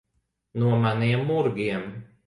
No maniem murgiem.